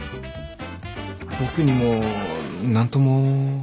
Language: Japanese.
僕にも何とも。